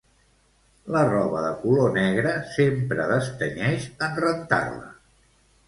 La roba de color negre sempre destenyeix en rentar-la